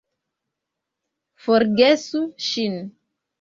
Forgesu ŝin!